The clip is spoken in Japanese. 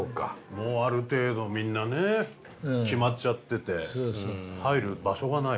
もうある程度みんなね決まっちゃってて入る場所がない。